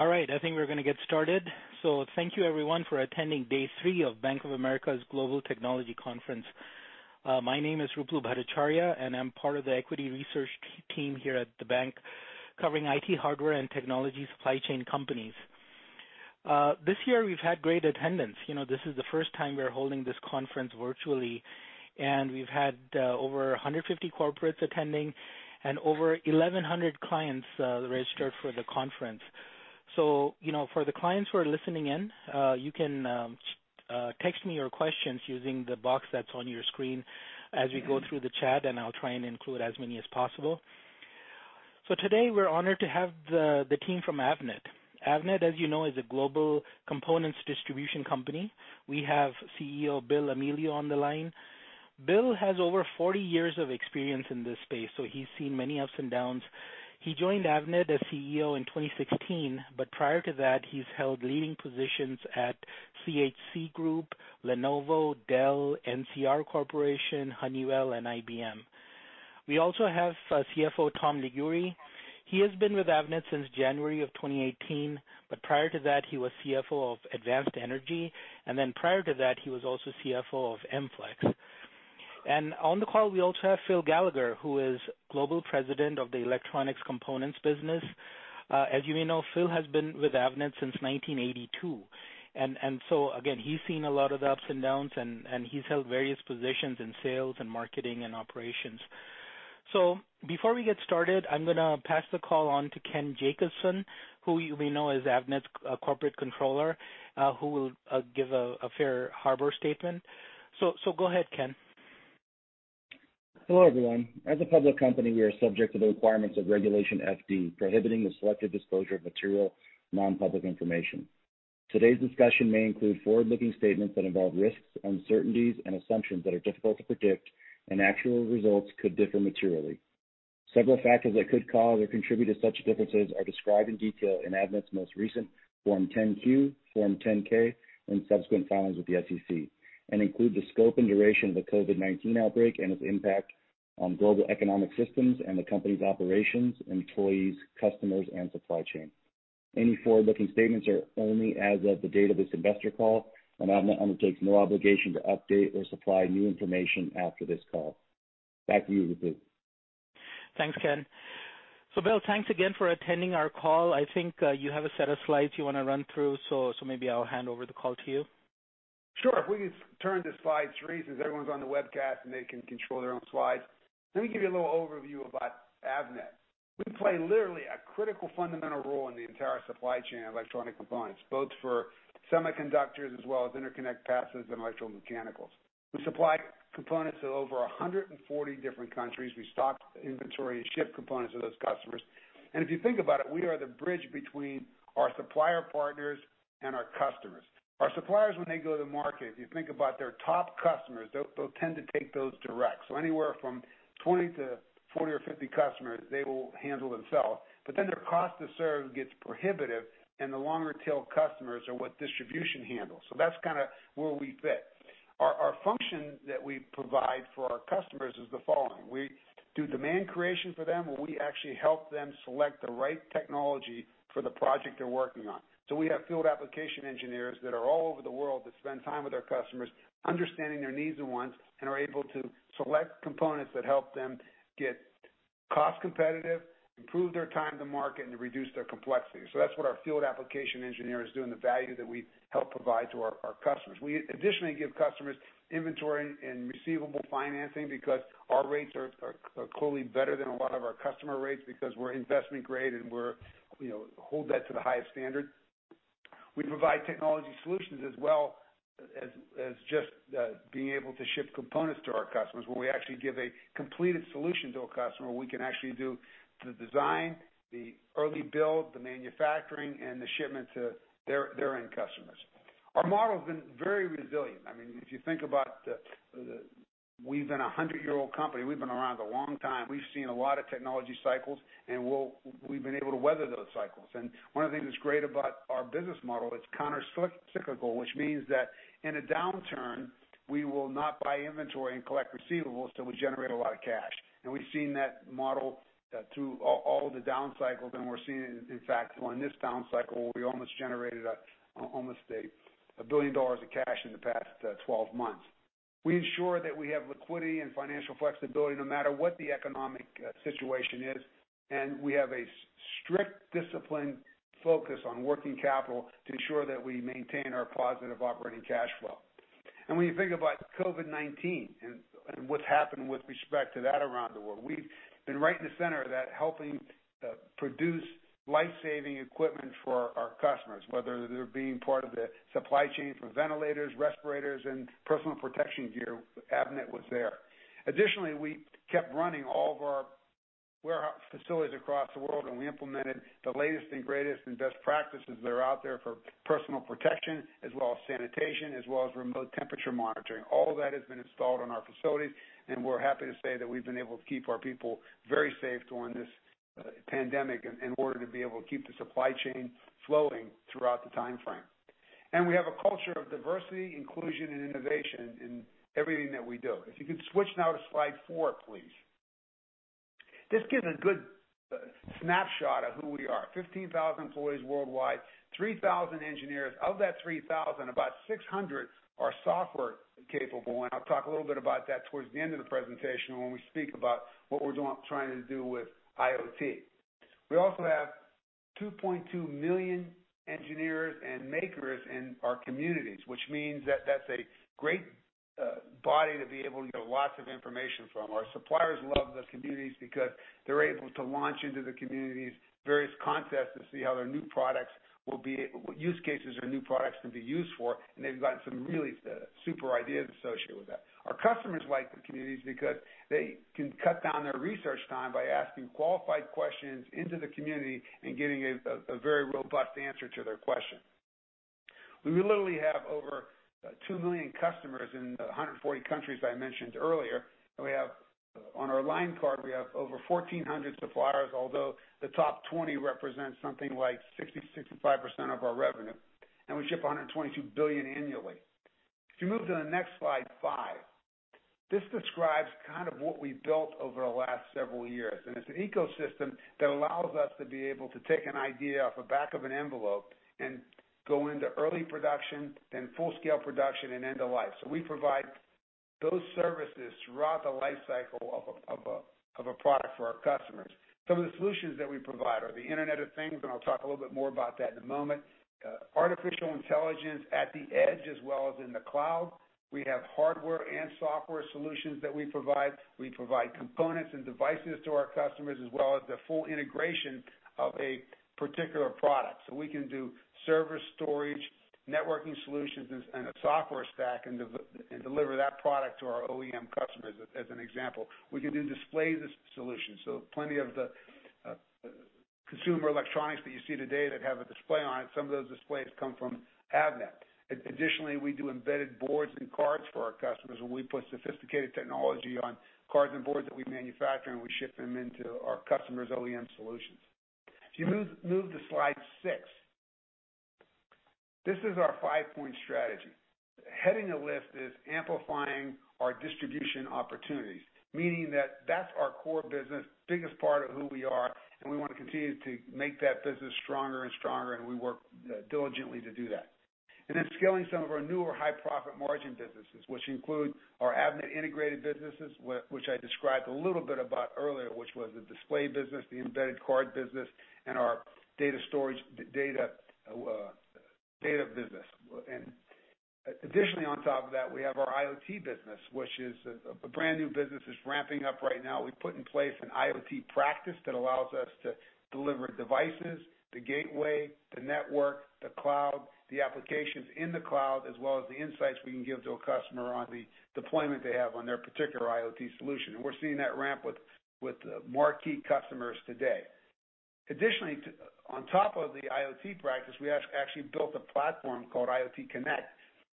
All right. I think we're going to get started. Thank you everyone for attending day three of Bank of America Merrill Lynch 2020 Global Technology Conference. My name is Ruplu Bhattacharya, and I'm part of the equity research team here at the bank covering IT hardware and technology supply chain companies. This year we've had great attendance. This is the first time we're holding this conference virtually, and we've had over 150 corporates attending and over 1,100 clients registered for the conference. For the clients who are listening in, you can text me your questions using the box that's on your screen as we go through the chat, and I'll try and include as many as possible. Today, we're honored to have the team from Avnet. Avnet, as you know, is a global components distribution company. We have CEO Bill Amelio on the line. Bill has over 40 years of experience in this space, so he's seen many ups and downs. He joined Avnet as CEO in 2016, but prior to that, he's held leading positions at CHC Group, Lenovo, Dell, NCR Corporation, Honeywell, and IBM. We also have CFO Tom Liguori. He has been with Avnet since January of 2018, but prior to that, he was CFO of Advanced Energy, and then prior to that, he was also CFO of MFLX. On the call, we also have Phil Gallagher, who is Global President of the Electronic Components business. As you may know, Phil has been with Avnet since 1982, and so again, he's seen a lot of the ups and downs, and he's held various positions in sales and marketing and operations. Before we get started, I'm going to pass the call on to Ken Jacobson, who we know as Avnet's Corporate Controller, who will give a safe harbor statement. Go ahead, Ken. Hello, everyone. As a public company, we are subject to the requirements of Regulation FD, prohibiting the selective disclosure of material, non-public information. Today's discussion may include forward-looking statements that involve risks, uncertainties, and assumptions that are difficult to predict, and actual results could differ materially. Several factors that could cause or contribute to such differences are described in detail in Avnet's most recent Form 10-Q, Form 10-K, and subsequent filings with the SEC, and include the scope and duration of the COVID-19 outbreak and its impact on global economic systems and the company's operations, employees, customers, and supply chain. Any forward-looking statements are only as of the date of this investor call, and Avnet undertakes no obligation to update or supply new information after this call. Back to you, Ruplu. Thanks, Ken. Bill, thanks again for attending our call. I think you have a set of slides you want to run through, maybe I'll hand over the call to you. Sure. If we could turn to slide three, since everyone's on the webcast, and they can control their own slides. Let me give you a little overview about Avnet. We play literally a critical fundamental role in the entire supply chain of electronic components, both for semiconductors as well as interconnect passives and electromechanicals. We supply components to over 140 different countries. We stock inventory and ship components to those customers. If you think about it, we are the bridge between our supplier partners and our customers. Our suppliers, when they go to the market, if you think about their top customers, they'll tend to take those direct. Anywhere from 20-40 or 50 customers, they will handle themselves, but then their cost to serve gets prohibitive, and the longer-tail customers are what distribution handles. That's kind of where we fit. Our function that we provide for our customers is the following. We do demand creation for them, where we actually help them select the right technology for the project they're working on. We have Field Application Engineers that are all over the world that spend time with our customers understanding their needs and wants, and are able to select components that help them get cost competitive, improve their time to market, and reduce their complexity. That's what our Field Application Engineers do and the value that we help provide to our customers. We additionally give customers inventory and receivable financing because our rates are clearly better than a lot of our customer rates because we're investment grade and we hold that to the highest standard. We provide technology solutions as well as just being able to ship components to our customers, where we actually give a completed solution to a customer. We can actually do the design, the early build, the manufacturing, and the shipment to their end customers. Our model has been very resilient. If you think about we've been a 100-year-old company. We've been around a long time. We've seen a lot of technology cycles, and we've been able to weather those cycles. One of the things that's great about our business model, it's counter-cyclical, which means that in a downturn, we will not buy inventory and collect receivables, so we generate a lot of cash. We've seen that model through all the down cycles, and we're seeing it, in fact, on this down cycle, where we almost generated, almost $1 billion of cash in the past 12 months. We ensure that we have liquidity and financial flexibility no matter what the economic situation is, and we have a strict discipline focus on working capital to ensure that we maintain our positive operating cash flow. When you think about COVID-19 and what's happened with respect to that around the world, we've been right in the center of that, helping produce life-saving equipment for our customers, Whether they're being part of the supply chain for ventilators, respirators, and personal protection gear, Avnet was there. Additionally, we kept running all of our warehouse facilities across the world, and we implemented the latest and greatest and best practices that are out there for personal protection, as well as sanitation, as well as remote temperature monitoring. All of that has been installed in our facilities. We're happy to say that we've been able to keep our people very safe during this pandemic in order to be able to keep the supply chain flowing throughout the time frame. We have a culture of diversity, inclusion, and innovation in everything that we do. If you could switch now to slide four, please. This gives a good snapshot of who we are, 15,000 employees worldwide, 3,000 engineers. Of that 3,000, about 600 are software capable, and I'll talk a little bit about that towards the end of the presentation when we speak about what we're trying to do with IoT. We also have 2.2 million engineers and makers in our communities, which means that that's a great body to be able to get lots of information from. Our suppliers love the communities because they're able to launch into the communities various contests to see what use cases their new products can be used for, and they've gotten some really super ideas associated with that. Our customers like the communities because they can cut down their research time by asking qualified questions into the community and getting a very robust answer to their question. We literally have over 2 million customers in the 140 countries I mentioned earlier, and on our line card, we have over 1,400 suppliers, although the top 20 represent something like 60%-65% of our revenue. We ship $122 billion annually. If you move to the next slide five, this describes kind of what we've built over the last several years, and it's an ecosystem that allows us to be able to take an idea off the back of an envelope and go into early production, then full-scale production, and end-of-life. We provide those services throughout the life cycle of a product for our customers. Some of the solutions that we provide are the Internet of Things, and I'll talk a little bit more about that in a moment. Artificial intelligence at the edge as well as in the cloud. We have hardware and software solutions that we provide. We provide components and devices to our customers, as well as the full integration of a particular product. We can do server storage, networking solutions, and a software stack, and deliver that product to our OEM customers, as an example. We can do display solutions, so plenty of the consumer electronics that you see today that have a display on it, some of those displays come from Avnet. Additionally, we do embedded boards and cards for our customers, and we put sophisticated technology on cards and boards that we manufacture, and we ship them into our customers' OEM solutions. If you move to slide six, this is our five-point strategy. Heading the list is amplifying our distribution opportunities, meaning that that's our core business, biggest part of who we are, and we want to continue to make that business stronger and stronger, and we work diligently to do that. Then scaling some of our newer high-profit margin businesses, which include our Avnet Integrated businesses, which I described a little bit about earlier, which was the display business, the embedded card business, and our data storage business. Additionally, on top of that, we have our IoT business, which is a brand-new business. It's ramping up right now. We put in place an IoT practice that allows us to deliver devices, the gateway, the network, the cloud, the applications in the cloud, as well as the insights we can give to a customer on the deployment they have on their particular IoT solution. We're seeing that ramp with marquee customers today. Additionally, on top of the IoT practice, we actually built a platform called IoTConnect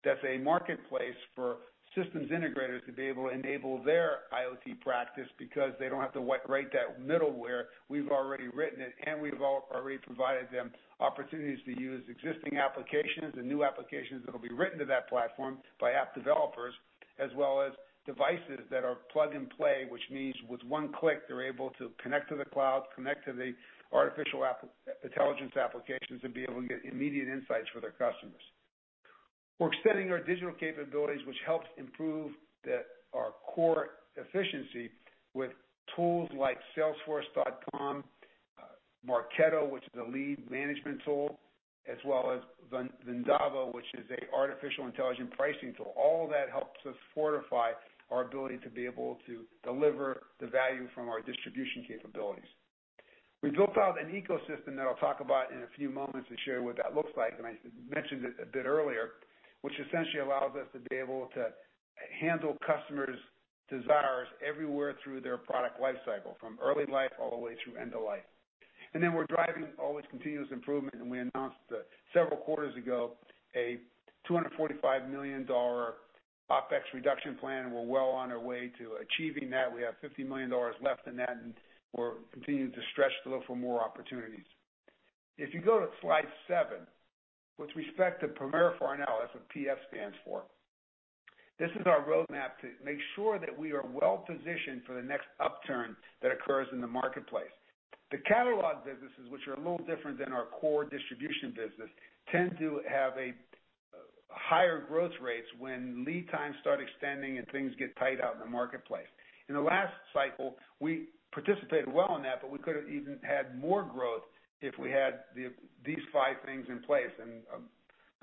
that's a marketplace for systems integrators to be able to enable their IoT practice because they don't have to write that middleware. We've already written it, and we've already provided them opportunities to use existing applications and new applications that'll be written to that platform by app developers, as well as devices that are plug and play, which means with one click, they're able to connect to the cloud, connect to the artificial intelligence applications, and be able to get immediate insights for their customers. We're extending our digital capabilities, which helps improve our core efficiency with tools like salesforce.com, Marketo, which is a lead management tool, as well as Vendavo, which is an artificial intelligent pricing tool. All that helps us fortify our ability to be able to deliver the value from our distribution capabilities. We built out an ecosystem that I'll talk about in a few moments and share what that looks like, and I mentioned it a bit earlier, which essentially allows us to be able to handle customers' desires everywhere through their product life cycle, from early life all the way through end-of-life. Then we're driving always continuous improvement, and we announced several quarters ago a $245 million OpEx reduction plan, and we're well on our way to achieving that. We have $50 million left in that, and we're continuing to stretch a little for more opportunities. If you go to slide seven, with respect to PrimeraStone analysis, what PS stands for, this is our roadmap to make sure that we are well positioned for the next upturn that occurs in the marketplace. The catalog businesses, which are a little different than our core distribution business, tend to have higher growth rates when lead times start extending and things get tight out in the marketplace. In the last cycle, we participated well in that, but we could have even had more growth if we had these five things in place. I'm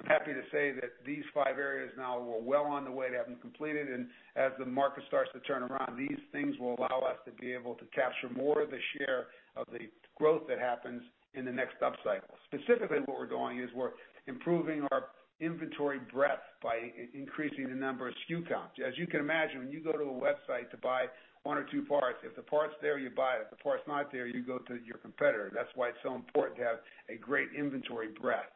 happy to say that these five areas now we're well on the way to having them completed, and as the market starts to turn around, These things will allow us to be able to capture more of the share of the growth that happens in the next upcycle. Specifically, what we're doing is we're improving our inventory breadth by increasing the number of SKU count. As you can imagine, when you go to a website to buy one or two parts, if the part's there, you buy it. If the part's not there, you go to your competitor. That's why it's so important to have a great inventory breadth.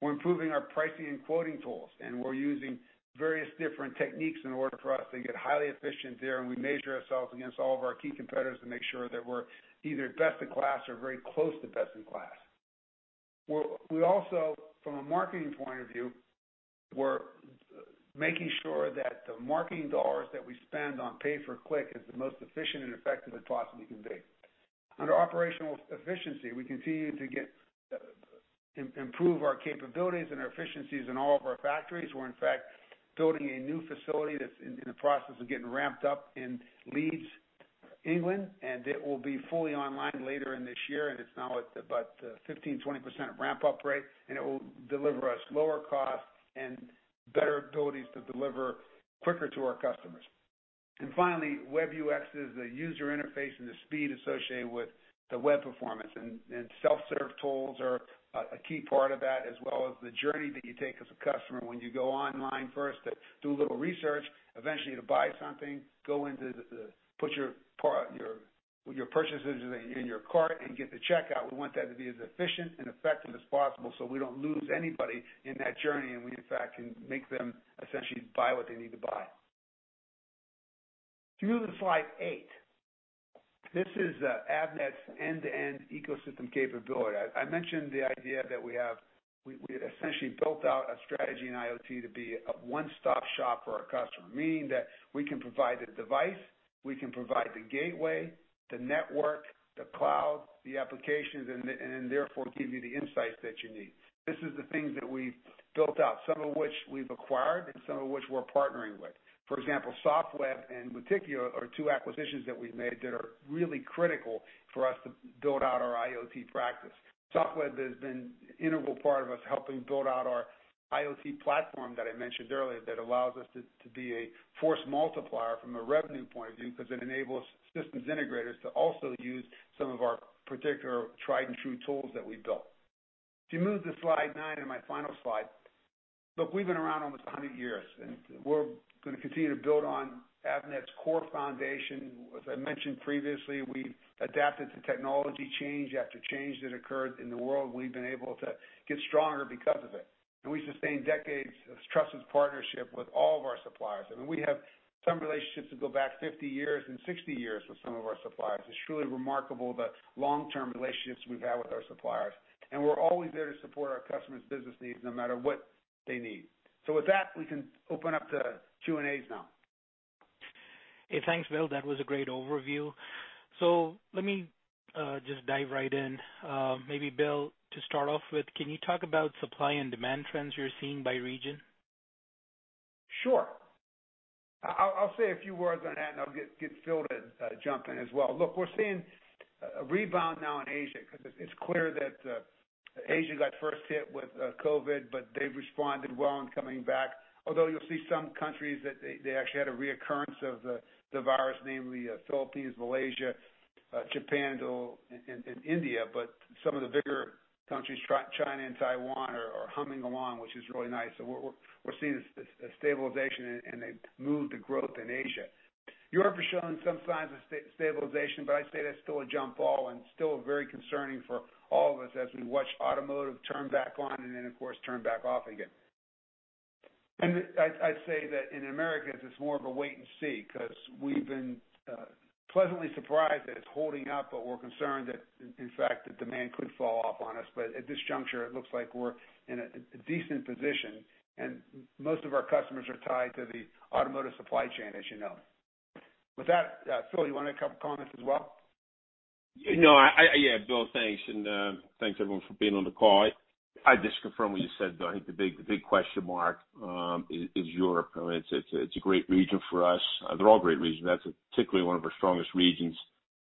We're improving our pricing and quoting tools, and we're using various different techniques in order for us to get highly efficient there, and we measure ourselves against all of our key competitors to make sure that we're either best in class or very close to best in class. Well, we also, from a marketing point of view, we're making sure that the marketing dollars that we spend on pay for click is the most efficient and effective it possibly can be. Under operational efficiency, we continue to improve our capabilities and our efficiencies in all of our factories. We're in fact building a new facility that's in the process of getting ramped up in Leeds, England, and it will be fully online later in this year, and it's now at about 15%, 20% ramp-up rate, and it will deliver us lower cost and better abilities to deliver quicker to our customers. Finally, web UX is the user interface and the speed associated with the web performance. Self-serve tools are a key part of that, as well as the journey that you take as a customer when you go online first to do a little research, eventually to buy something, put your purchases in your cart, and get the checkout. We want that to be as efficient and effective as possible so we don't lose anybody in that journey, and we, in fact, can make them essentially buy what they need to buy. If you move to slide eight, this is Avnet's end-to-end ecosystem capability. I mentioned the idea that we had essentially built out a strategy in IoT to be a one-stop shop for our customer, meaning that we can provide the device, we can provide the gateway, the network, the cloud, the applications, and therefore give you the insights that you need. This is the things that we've built out, some of which we've acquired and some of which we're partnering with. For example, Softweb and Muticia are two acquisitions that we've made that are really critical for us to build out our IoT practice. Softweb has been integral part of us helping build out our IoT platform that I mentioned earlier that allows us to be a force multiplier from a revenue point of view, because it enables systems integrators to also use some of our particular tried and true tools that we've built. If you move to slide nine and my final slide. Look, we've been around almost 100 years. We're going to continue to build on Avnet's core foundation. As I mentioned previously, we've adapted to technology change after change that occurred in the world. We've been able to get stronger because of it. We sustain decades of trusted partnership with all of our suppliers. I mean, we have some relationships that go back 50 years and 60 years with some of our suppliers. It's truly remarkable the long-term relationships we've had with our suppliers, and we're always there to support our customers' business needs no matter what they need. With that, we can open up to Q&As now. Thanks, Bill. That was a great overview. Let me just dive right in. Maybe Bill, to start off with, can you talk about supply and demand trends you're seeing by region? Sure. I'll say a few words on that, and I'll get Phil to jump in as well. Look, we're seeing a rebound now in Asia, because it's clear that Asia got first hit with COVID-19, but they've responded well in coming back. You'll see some countries that they actually had a reoccurrence of the virus, namely Philippines, Malaysia, Japan, and India. Some of the bigger countries, China and Taiwan, are humming along, which is really nice. We're seeing a stabilization and a move to growth in Asia. Europe is showing some signs of stabilization, but I'd say that's still a jump ball and still very concerning for all of us as we watch automotive turn back on and then, of course, turn back off again. I'd say that in Americas, it's more of a wait and see, because we've been pleasantly surprised that it's holding up, but we're concerned that, in fact, the demand could fall off on us. At this juncture, it looks like we're in a decent position, and most of our customers are tied to the automotive supply chain, as you know. With that, Phil, you want to comment as well? Yeah, Bill, thanks, everyone, for being on the call. I just confirm what you said, Bill. I think the big question mark is Europe. It's a great region for us. They're all great regions. That's particularly one of our strongest regions.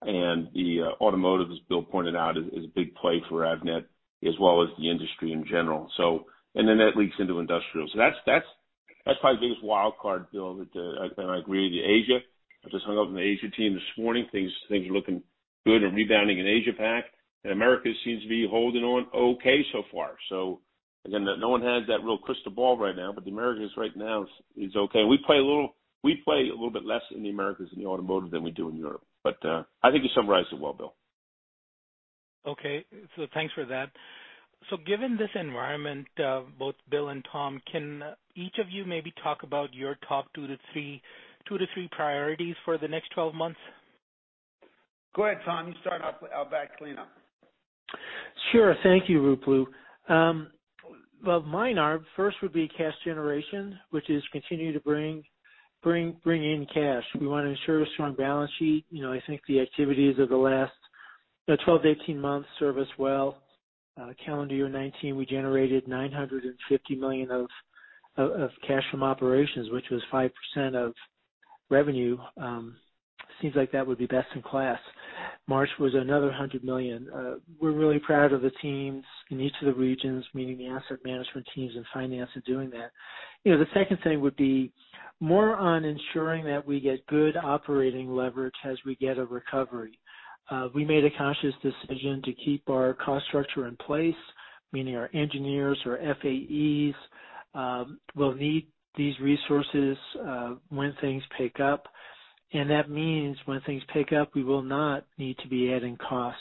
The automotive, as Bill pointed out, is a big play for Avnet as well as the industry in general. That leaks into industrial. That's probably the biggest wildcard, Bill. I agree with you, Asia. I just hung up with the Asia team this morning. Things are looking good and rebounding in Asia Pac, and Americas seems to be holding on okay so far. Again, no one has that real crystal ball right now, but the Americas right now is okay. We play a little bit less in the Americas in the automotive than we do in Europe. I think you summarized it well, Bill. Okay, thanks for that. Given this environment, both Bill and Tom, can each of you maybe talk about your top two to three priorities for the next 12 months? Go ahead, Tom. You start off. I'll back clean up. Sure. Thank you, Ruplu. Well, mine are, first would be cash generation, which is continue to bring in cash. We want to ensure a strong balance sheet. I think the activities of the last 12-18 months serve us well. Calendar year 2019, we generated $950 million of cash from operations, which was 5% of revenue. Seems like that would be best in class. March was another $100 million. We're really proud of the teams in each of the regions, meaning the asset management teams and finance are doing that. The second thing would be more on ensuring that we get good operating leverage as we get a recovery. We made a conscious decision to keep our cost structure in place, meaning our engineers, our FAEs will need these resources when things pick up. That means when things pick up, we will not need to be adding cost.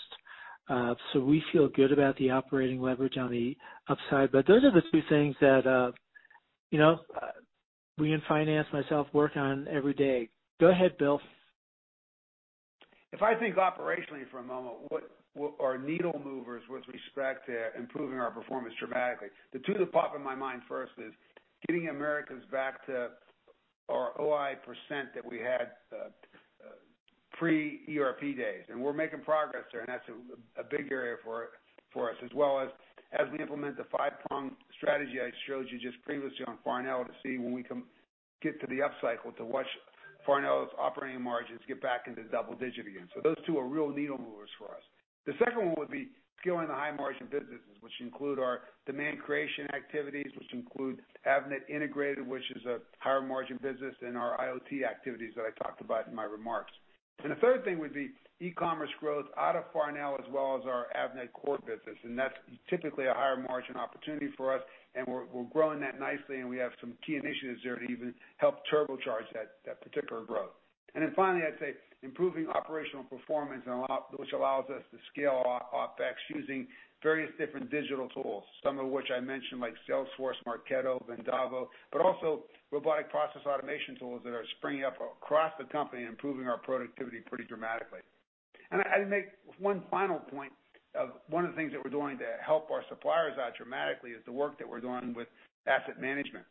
We feel good about the operating leverage on the upside. Those are the two things that we in finance, myself, work on every day. Go ahead, Bill. If I think operationally for a moment, what are needle movers with respect to improving our performance dramatically? The two that pop in my mind first is getting Americas back to our OI % that we had pre-ERP days, and we're making progress there, and that's a big area for us as well as we implement the five-prong strategy I showed you just previously on Farnell to see when we can get to the up cycle to watch Farnell's operating margins get back into double-digit again. So those two are real needle movers for us. The second one would be scaling the high margin businesses, which include our demand creation activities, which include Avnet Integrated, which is a higher margin business than our IoT activities that I talked about in my remarks. The third thing would be e-commerce growth out of Farnell as well as our Avnet core business, and that's typically a higher margin opportunity for us, and we're growing that nicely, and we have some key initiatives there to even help turbocharge that particular growth. Finally, I'd say improving operational performance which allows us to scale our OpEx using various different digital tools, Some of which I mentioned, like Salesforce, Marketo, Vendavo, but also robotic process automation tools that are springing up across the company, improving our productivity pretty dramatically. I'd make one final point of one of the things that we're doing to help our suppliers out dramatically is the work that we're doing with asset management.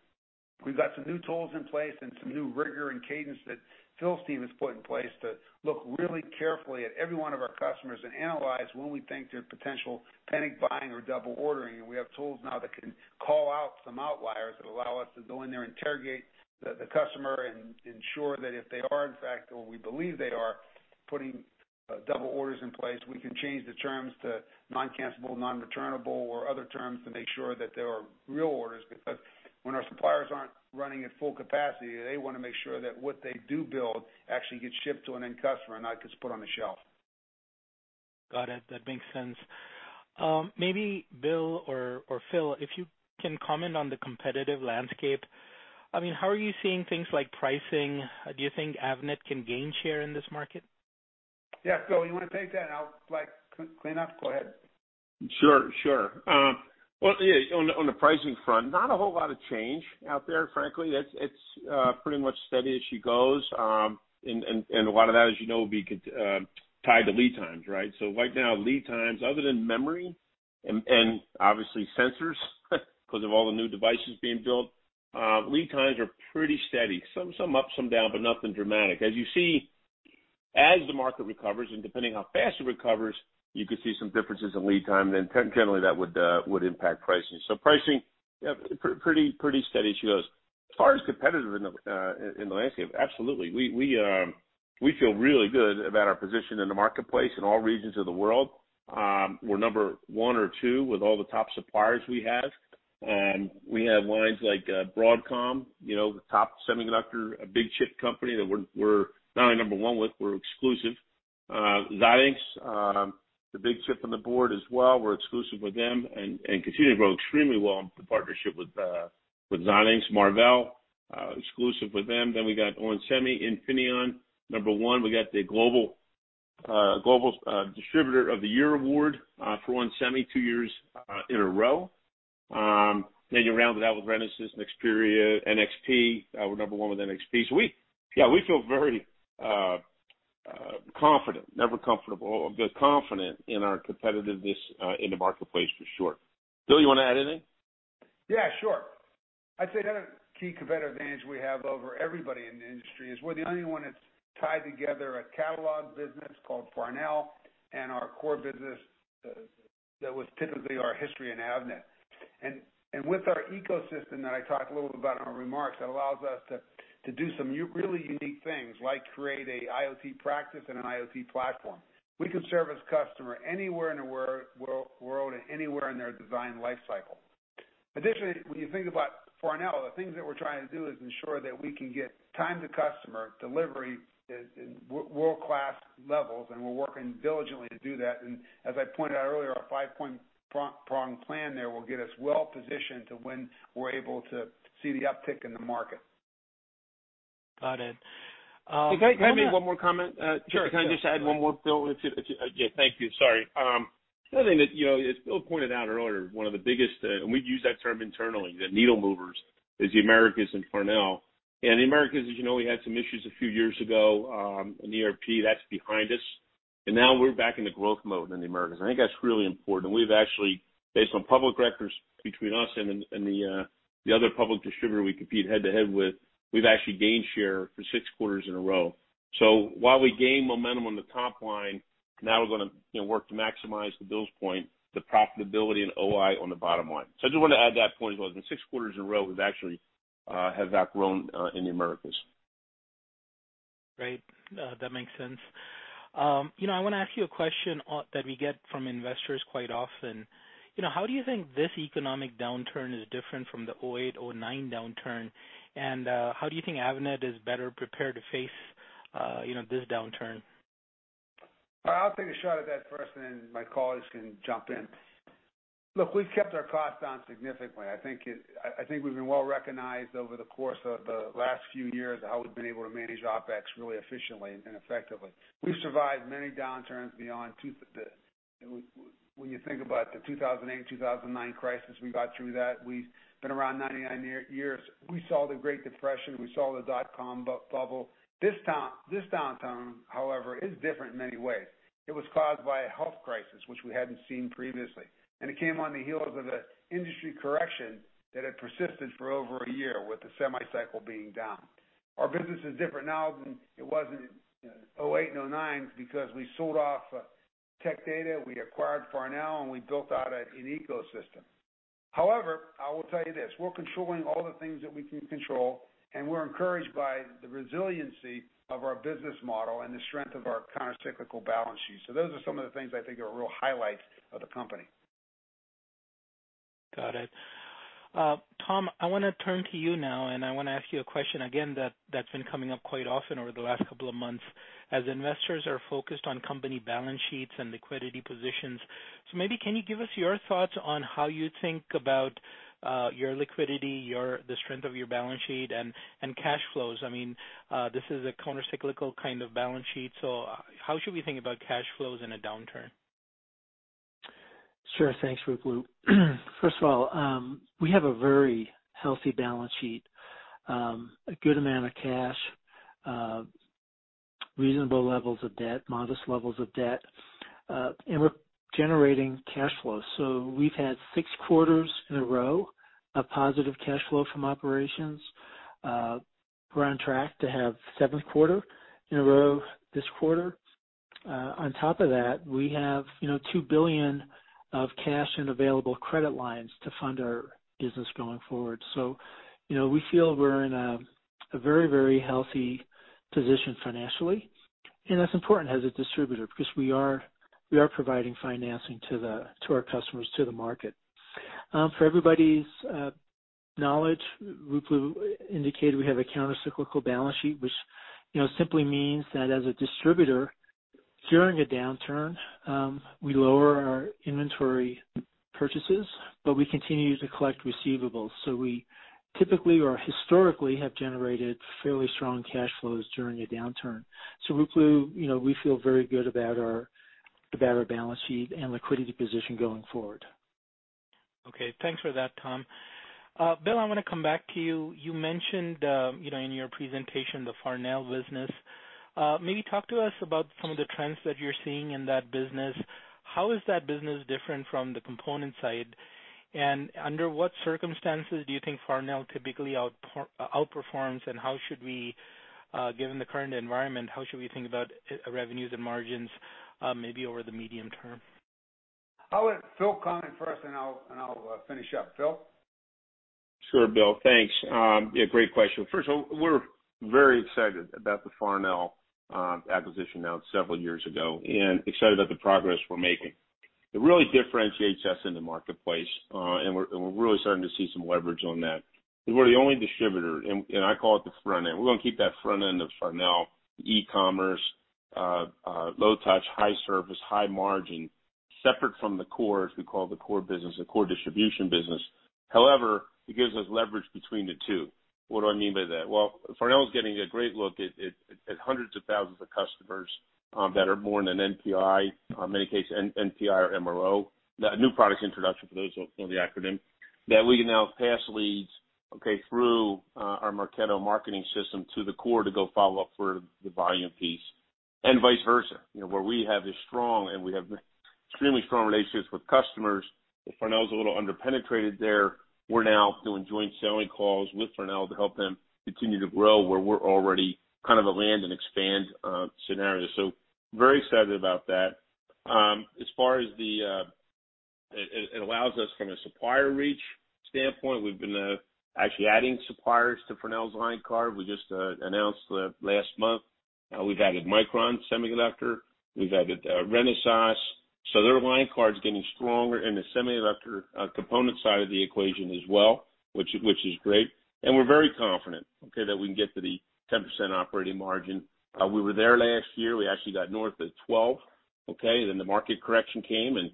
We've got some new tools in place and some new rigor and cadence that Phil's team has put in place to look really carefully at every one of our customers and analyze when we think there's potential panic buying or double ordering. We have tools now that can call out some outliers that allow us to go in there, interrogate the customer, and ensure that if they are in fact or we believe they are putting double orders in place, We can change the terms to non-cancelable, non-returnable or other terms to make sure that they are real orders, because when our suppliers aren't running at full capacity, they want to make sure that what they do build actually gets shipped to an end customer and not just put on a shelf. Got it. That makes sense. Maybe Bill or Phil, if you can comment on the competitive landscape. How are you seeing things like pricing? Do you think Avnet can gain share in this market? Yeah. Phil, you want to take that and I'll clean up? Go ahead. Sure. Well, yeah, on the pricing front, not a whole lot of change out there, frankly. It's pretty much steady as she goes, and a lot of that, as you know, will be tied to lead times, right? Right now, lead times, other than memory and obviously sensors, because of all the new devices being built, lead times are pretty steady. Some up, some down, but nothing dramatic. As you see, as the market recovers, and depending how fast it recovers, you could see some differences in lead time. Generally, that would impact pricing. Pricing, pretty steady as she goes. As far as competitive in the landscape, absolutely. We feel really good about our position in the marketplace in all regions of the world. We're number one or two with all the top suppliers we have. We have lines like Broadcom, the top semiconductor, a big chip company that we're not only number one with, we're exclusive. Xilinx, the big chip on the board as well, we're exclusive with them and continue to grow extremely well in the partnership with Xilinx. Marvell, exclusive with them. We got on onsemi, Infineon, number one. We got the Global Distributor of the Year Award for onsemi two years in a row. You round it out with Renesas, Nexperia, NXP. We're number one with NXP. We feel very confident, never comfortable, but confident in our competitiveness in the marketplace for sure. Bill, you want to add anything? Yeah, sure. I'd say the other key competitive advantage we have over everybody in the industry is we're the only one that's tied together a catalog business called Farnell and our core business that was typically our history in Avnet. With our ecosystem that I talked a little bit about in our remarks, that allows us to do some really unique things, like create an IoT practice and an IoT platform. We can service customer anywhere in the world and anywhere in their design life cycle. Additionally, when you think about Farnell, the things that we're trying to do is ensure that we can get time to customer delivery in world-class levels, and we're working diligently to do that. As I pointed out earlier, our five-point prong plan there will get us well positioned to when we're able to see the uptick in the market. Got it. Can I make one more comment? Sure. Can I just add one more, Bill? Thank you. Sorry. The other thing that as Bill pointed out earlier, one of the biggest, and we use that term internally, the needle movers, is the Americas and Farnell. The Americas, as you know, we had some issues a few years ago, an ERP that's behind us, now we're back in the growth mode in the Americas, and I think that's really important. We've actually, based on public records between us and the other public distributor we compete head to head with, we've actually gained share for 6 quarters in a row. While we gain momentum on the top line, now we're going to work to maximize the Bill's point, the profitability and OI on the bottom line. I just want to add that point as well. In six quarters in a row, we've actually have outgrown in the Americas. Great. That makes sense. I want to ask you a question that we get from investors quite often. How do you think this economic downturn is different from the 2008, 2009 downturn, and how do you think Avnet is better prepared to face this downturn? I'll take a shot at that first, and then my colleagues can jump in. Look, we've kept our costs down significantly. I think we've been well-recognized over the course of the last few years of how we've been able to manage OpEx really efficiently and effectively. We've survived many downturns beyond, when you think about the 2008, 2009 crisis, we got through that. We've been around 99 years. We saw the Great Depression, we saw the dot-com bubble. This downturn, however, is different in many ways. It was caused by a health crisis, which we hadn't seen previously, and it came on the heels of an industry correction that had persisted for over a year with the semi cycle being down. Our business is different now than it was in 2008 and 2009 because we sold off Tech Data, we acquired Farnell, and we built out an ecosystem. However, I will tell you this, we're controlling all the things that we can control, and we're encouraged by the resiliency of our business model and the strength of our counter-cyclical balance sheet. Those are some of the things I think are real highlights of the company. Got it. Tom, I want to turn to you now. I want to ask you a question again that's been coming up quite often over the last couple of months as investors are focused on company balance sheets and liquidity positions. Maybe can you give us your thoughts on how you think about your liquidity, the strength of your balance sheet, and cash flows? This is a counter-cyclical kind of balance sheet. How should we think about cash flows in a downturn? Sure. Thanks, Ruplu. First of all, we have a very healthy balance sheet. A good amount of cash, reasonable levels of debt, modest levels of debt, we're generating cash flow. We've had six quarters in a row of positive cash flow from operations. We're on track to have seventh quarter in a row this quarter. On top of that, we have $2 billion of cash and available credit lines to fund our business going forward. We feel we're in a very healthy position financially, and that's important as a distributor because we are providing financing to our customers, to the market. For everybody's knowledge, Ruplu indicated we have a counter-cyclical balance sheet, Which simply means that as a distributor, during a downturn, we lower our inventory purchases, but we continue to collect receivables. We typically or historically have generated fairly strong cash flows during a downturn. Ruplu, we feel very good about our balance sheet and liquidity position going forward. Okay. Thanks for that, Tom. Bill, I'm going to come back to you. You mentioned, in your presentation, the Farnell business. Maybe talk to us about some of the trends that you're seeing in that business. How is that business different from the component side, and under what circumstances do you think Farnell typically outperforms, and given the current environment, how should we think about revenues and margins maybe over the medium term? I'll let Phil comment first, and I'll finish up. Phil? Sure, Bill. Thanks. Yeah, great question. First of all, we're very excited about the Farnell acquisition now several years ago, and excited about the progress we're making. It really differentiates us in the marketplace, and we're really starting to see some leverage on that. We're the only distributor, and I call it the front end. We're going to keep that front end of Farnell, the e-commerce, low touch, high service, high margin, separate from the core, As we call the core business, the core distribution business. However, it gives us leverage between the two. What do I mean by that? Well, Farnell is getting a great look at hundreds of thousands of customers that are more than NPI, or in many cases, NPI or MRO. New product introduction for those who know the acronym. We can now pass leads through our Marketo marketing system to the core to go follow up for the volume piece and vice versa. Where we have this strong, and we have extremely strong relationships with customers, but Farnell is a little under-penetrated there. We're now doing joint selling calls with Farnell to help them continue to grow where we're already kind of a land and expand scenario. Very excited about that. It allows us from a supplier reach standpoint. We've been actually adding suppliers to Farnell's line card. We just announced that last month. We've added Micron Semiconductor, we've added Renesas. Their line card's getting stronger in the semiconductor component side of the equation as well, which is great. We're very confident that we can get to the 10% operating margin. We were there last year. We actually got north of 12%. The market correction came, and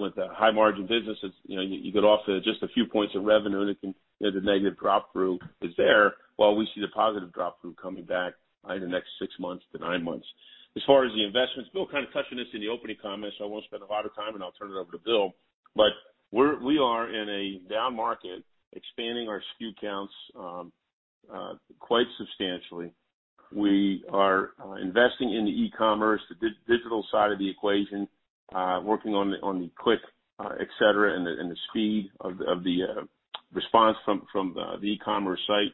with a high margin business, you get off to just a few points of revenue, and the negative drop through is there, while we see the positive drop through coming back in the next six months to nine months. As far as the investments, Bill kind of touching this in the opening comments, so I won't spend a lot of time, and I'll turn it over to Bill. We are in a down market, expanding our SKU counts quite substantially. We are investing in the e-commerce, the digital side of the equation, working on the click, et cetera, and the speed of the response from the e-commerce site,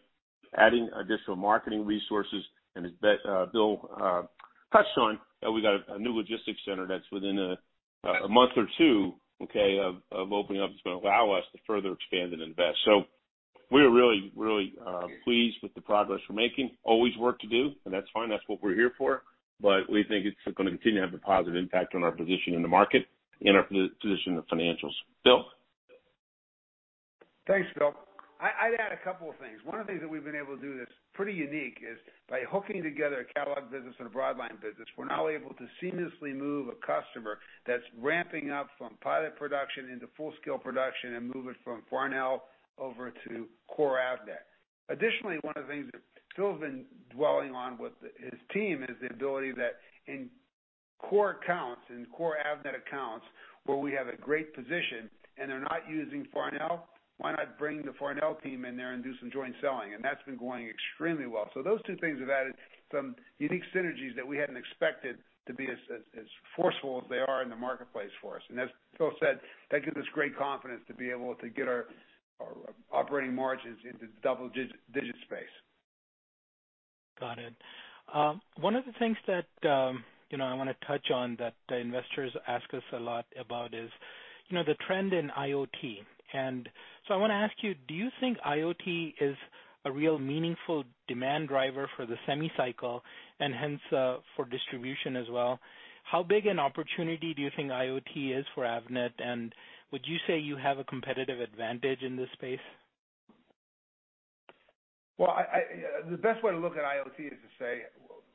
adding additional marketing resources. As Bill touched on, we got a new logistics center that's within a month or two of opening up. It's going to allow us to further expand and invest. We are really pleased with the progress we're making. Always work to do, and that's fine. That's what we're here for, but we think it's going to continue to have a positive impact on our position in the market and our position in the financials. Bill. Thanks, Phil. I'd add a couple of things. One of the things that we've been able to do that's pretty unique is by hooking together a catalog business and a broad line business, we're now able to seamlessly move a customer that's ramping up from pilot production into full-scale production and move it from Farnell over to core Avnet. Additionally, one of the things that Phil's been dwelling on with his team is the ability that in core accounts, in core Avnet accounts, where we have a great position and they're not using Farnell, why not bring the Farnell team in there and do some joint selling? That's been going extremely well. Those two things have added some unique synergies that we hadn't expected to be as forceful as they are in the marketplace for us. As Phil said, that gives us great confidence to be able to get our operating margins into double-digit space. Got it. One of the things that I want to touch on that the investors ask us a lot about is the trend in IoT. I want to ask you, do you think IoT is a real meaningful demand driver for the semi cycle, and hence for distribution as well? How big an opportunity do you think IoT is for Avnet, and would you say you have a competitive advantage in this space? The best way to look at IoT is to say,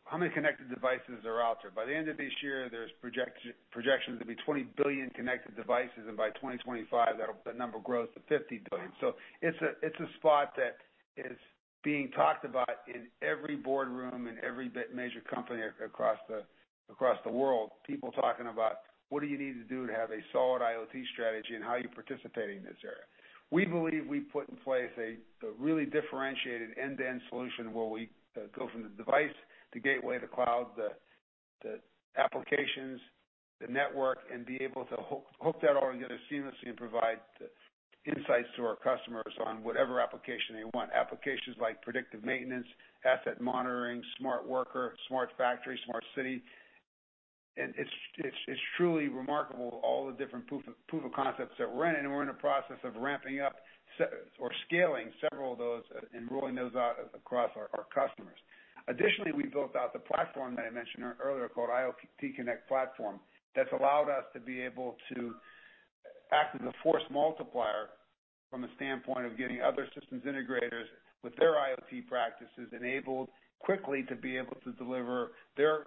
how many connected devices are out there? By the end of this year, there's projections of maybe 20 billion connected devices, and by 2025, that number grows to 50 billion. It's a spot that is being talked about in every boardroom and every major company across the world, people talking about what do you need to do to have a solid IoT strategy and how are you participating in this area. We believe we put in place a really differentiated end-to-end solution where we go from the device, the gateway, the cloud, the applications, the network, and be able to hook that all together seamlessly and provide insights to our customers on whatever application they want. Applications like predictive maintenance, asset monitoring, smart worker, smart factory, smart city. It's truly remarkable all the different proof of concepts that we're in, and we're in the process of ramping up or scaling several of those and rolling those out across our customers. Additionally, we built out the platform that I mentioned earlier, called IoTConnect Platform. That's allowed us to be able to act as a force multiplier from the standpoint of getting other systems integrators with their IoT practices enabled quickly to be able to deliver their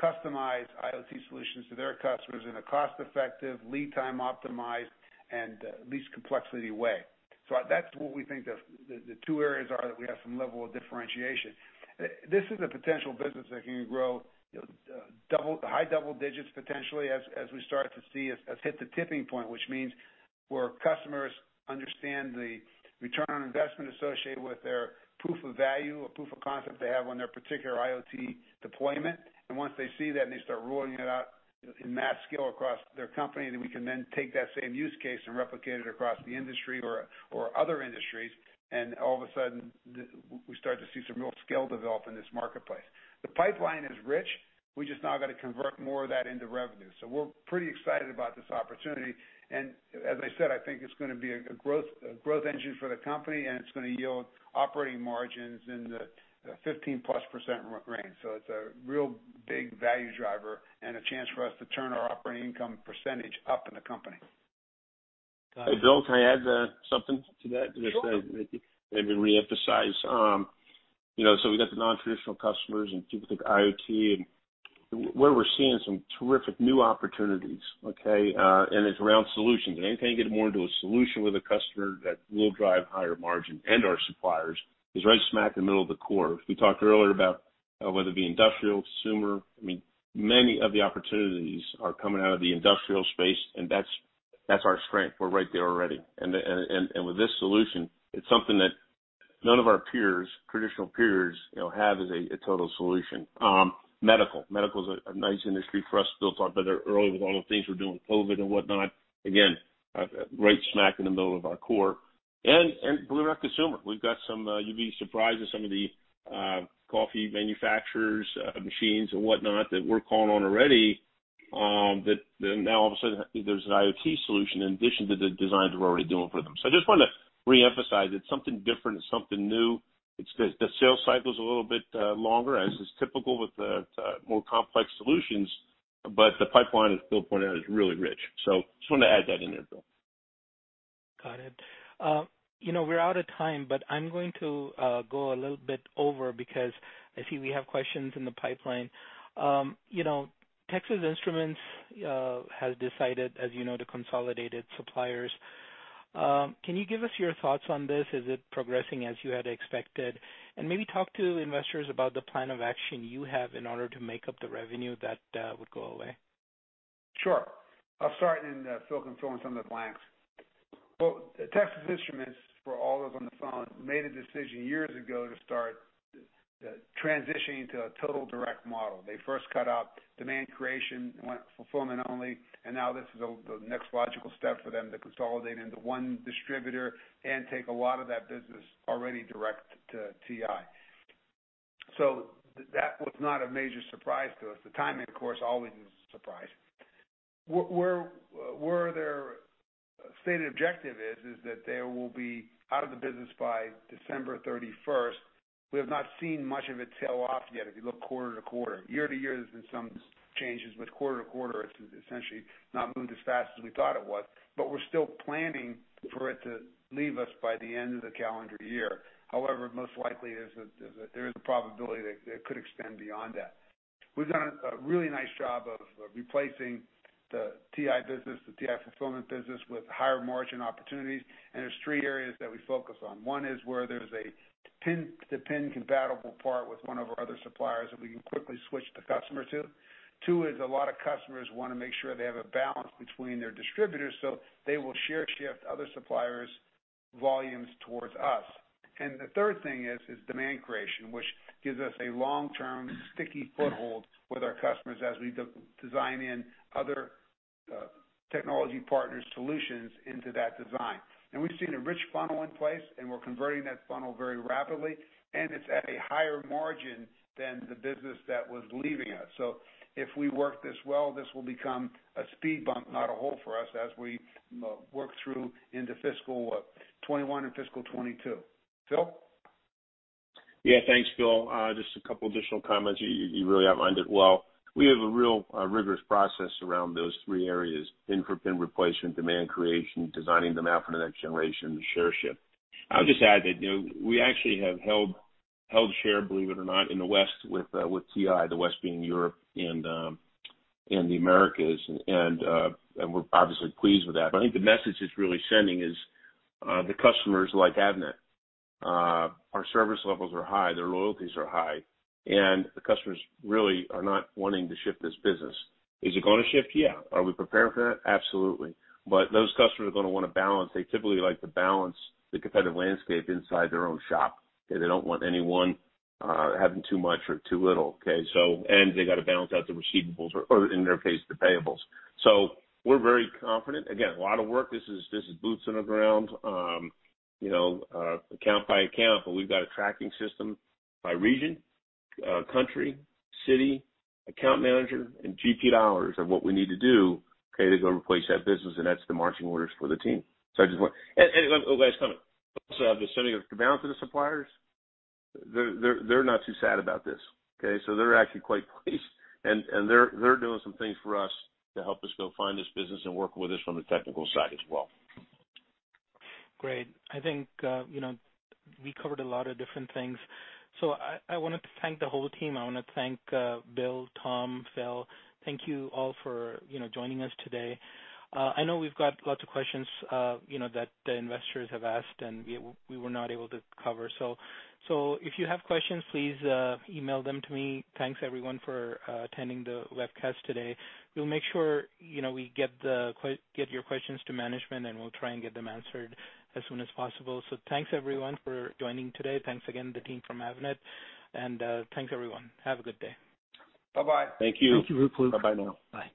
customized IoT solutions to their customers in a cost-effective, lead time optimized, and least complexity way. That's what we think the two areas are that we have some level of differentiation. This is a potential business that can grow high double digits potentially as we start to see us hit the tipping point, which means where customers understand the return on investment associated with their proof of value or proof of concept they have on their particular IoT deployment. Once they see that, and they start rolling it out in mass scale across their company, we can then take that same use case and replicate it across the industry or other industries. All of a sudden, we start to see some real scale develop in this marketplace. The pipeline is rich, we just now got to convert more of that into revenue. We're pretty excited about this opportunity. As I said, I think it's going to be a growth engine for the company, and it's going to yield operating margins in the 15+ % range. It's a real big value driver and a chance for us to turn our operating income % up in the company. Got it. Bill, can I add something to that? Sure. We got the non-traditional customers and people with IoT, and where we're seeing some terrific new opportunities, okay, and it's around solutions. Anything you can get more into a solution with a customer that will drive higher margin and our suppliers is right smack in the middle of the core. We talked earlier about whether it be industrial, consumer, I mean, many of the opportunities are coming out of the industrial space, and that's our strength. We're right there already. With this solution, it's something that none of our peers, traditional peers, have as a total solution. Medical. Medical is a nice industry for us, Bill, talked about that earlier with all the things we're doing with COVID-19 and whatnot. Again, right smack in the middle of our core. Blue rep consumer. You'd be surprised at some of the coffee manufacturers, machines and whatnot that we're calling on already, that now all of a sudden there's an IoT solution in addition to the designs we're already doing for them. I just wanted to reemphasize it's something different, it's something new. The sales cycle's a little bit longer, as is typical with the more complex solutions, but the pipeline, as Bill pointed out, is really rich. Just wanted to add that in there, Bill. Got it. We're out of time, but I'm going to go a little bit over because I see we have questions in the pipeline. Texas Instruments has decided, as you know, to consolidate its suppliers. Can you give us your thoughts on this? Is it progressing as you had expected? Maybe talk to investors about the plan of action you have in order to make up the revenue that would go away. Sure. I'll start and Phil can fill in some of the blanks. Well, Texas Instruments, for all of us on the phone, made a decision years ago to start transitioning to a total direct model. They first cut out demand creation and went fulfillment only, and now this is the next logical step for them to consolidate into one distributor and take a lot of that business already direct to TI. That was not a major surprise to us. The timing, of course, always is a surprise. Where their stated objective is that they will be out of the business by December 31st. We have not seen much of it tail off yet, if you look quarter-to-quarter. Year-to-year, there's been some changes, but quarter-to-quarter, it's essentially not moved as fast as we thought it would. We're still planning for it to leave us by the end of the calendar year. Most likely is that there is a probability that it could extend beyond that. We've done a really nice job of replacing the TI business, the TI fulfillment business, with higher margin opportunities, and there's three areas that we focus on. One is where there's a pin-to-pin compatible part with one of our other suppliers that we can quickly switch the customer to. Two is a lot of customers want to make sure they have a balance between their distributors, so they will share shift other suppliers' volumes towards us. The third thing is demand creation, which gives us a long-sticky foothold with our customers as we design in other technology partners' solutions into that design. We've seen a rich funnel in place, and we're converting that funnel very rapidly, and it's at a higher margin than the business that was leaving us. If we work this well, this will become a speed bump, not a hole for us as we work through into fiscal 2021 and fiscal 2022. Phil? Yeah, thanks, Bill. Just a couple additional comments. You really outlined it well. We have a real rigorous process around those three areas, pin-for-pin replacement, demand creation, designing them in for the next generation, the share shift. I'll just add that we actually have held share, believe it or not, in the West with TI. The West being Europe and the Americas, and we're obviously pleased with that. I think the message it's really sending is the customers like Avnet. Our service levels are high, their loyalties are high, and the customers really are not wanting to shift this business. Is it going to shift? Yeah. Are we prepared for that? Absolutely. Those customers are going to want to balance. They typically like to balance the competitive landscape inside their own shop. They don't want anyone having too much or too little, okay? They got to balance out the receivables or in their case, the payables. We're very confident. Again, a lot of work. This is boots on the ground, account by account, but we've got a tracking system by region, country, city, account manager, and GP dollars of what we need to do to go replace that business, and that's the marching orders for the team. Last comment. Also, the sending of demand to the suppliers, they're not too sad about this. They're actually quite pleased, and they're doing some things for us to help us go find this business and work with us from the technical side as well. Great. I think we covered a lot of different things. I wanted to thank the whole team. I want to thank Bill, Tom, Phil. Thank you all for joining us today. I know we've got lots of questions that the investors have asked, and we were not able to cover. If you have questions, please email them to me. Thanks, everyone, for attending the webcast today. We'll make sure we get your questions to management, and we'll try and get them answered as soon as possible. Thanks, everyone, for joining today. Thanks again, the team from Avnet. Thanks, everyone. Have a good day. Bye-bye. Thank you. Thank you, Ruplu. Bye now. Bye.